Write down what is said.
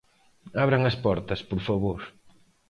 Abran as portas, por favor.